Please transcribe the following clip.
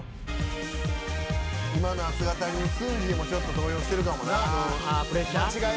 今の熱語りにすーじーもちょっと動揺してるかもな。